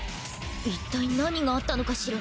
一体何があったのかしら？